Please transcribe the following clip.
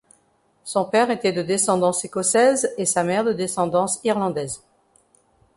Son père était de descendance écossaise et sa mère de descendance irlandaise.